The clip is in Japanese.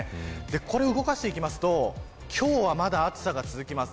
これを動かしていきますと今日はまだ暑さが続きます。